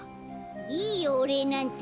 いいよおれいなんて。